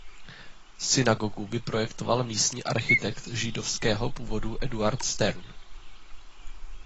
Synagogu vyprojektoval místní architekt židovského původu Eduard Stern.